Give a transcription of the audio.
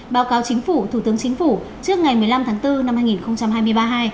báo cáo chính phủ thủ tướng chính phủ trước ngày một mươi năm tháng bốn năm hai nghìn hai mươi hai